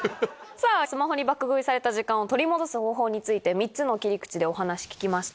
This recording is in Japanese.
スマホに爆食いされた時間を取り戻す方法について３つの切り口でお話聞きました。